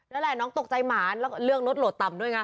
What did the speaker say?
นั่นแหละน้องตกใจหมาเรื่องรถโหลดต่ำด้วยค่ะ